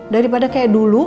daripada kayak dulu